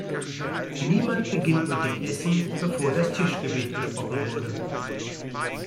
Niemand beginnt mit dem Essen, bevor das Tischgebet gesprochen wurde!